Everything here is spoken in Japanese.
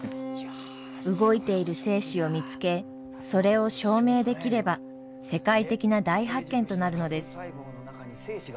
動いている精子を見つけそれを証明できれば世界的な大発見となるのです。